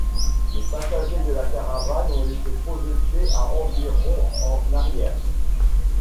Les passagers de la caravane ont été projetés à environ en arrière.